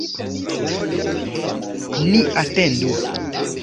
Ni atendu.